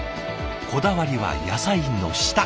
こだわりは野菜の下。